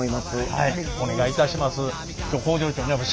はいお願いいたします。